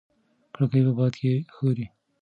کړکۍ په باد کې ښوري.